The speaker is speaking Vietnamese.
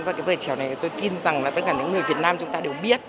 và trèo này tôi tin rằng tất cả những người việt nam chúng ta đều biết